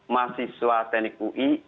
mahasiswa teknik ui